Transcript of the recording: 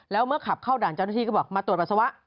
แล้วเมื่อขับเข้าด่านเจ้าหน้าที่ก็บอกมาตรวจปัสสาวะ